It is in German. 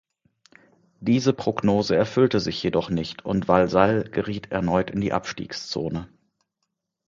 Diese Prognose erfüllte sich jedoch nicht und Walsall geriet erneut in die Abstiegszone.